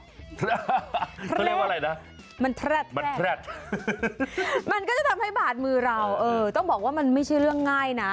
เขาเรียกว่าอะไรนะมันแรดมันก็จะทำให้บาดมือเราเออต้องบอกว่ามันไม่ใช่เรื่องง่ายนะ